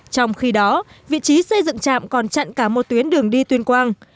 trong khi đó vị trí xây dựng trạm còn chặn cả một tuyến đường đi tuyên quang